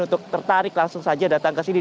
untuk tertarik langsung saja datang ke sini